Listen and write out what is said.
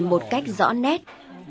một cách rõ nét